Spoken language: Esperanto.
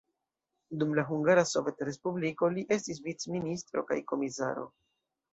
Dum la Hungara Sovetrespubliko li estis vicministro kaj komisaro.